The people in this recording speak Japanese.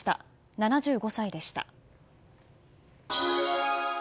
７５歳でした。